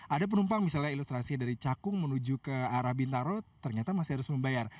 ada penumpang misalnya ilustrasi dari cakung menuju ke arah bintaro ternyata masih harus membayar